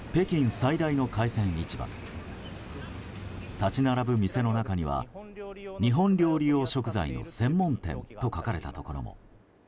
立ち並ぶ店の中には日本料理用食材の専門店と書かれたところも。